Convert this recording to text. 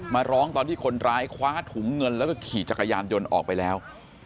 มาร้องตอนที่คนร้ายคว้าถุงเงินแล้วก็ขี่จักรยานยนต์ออกไปแล้ว